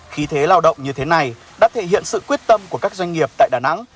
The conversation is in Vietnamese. khi thế lao động như thế này đã thể hiện sự quyết tâm của các doanh nghiệp tại đà nẵng